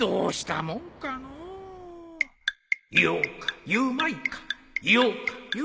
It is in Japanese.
言おうか言うまいか言おうか言うまいか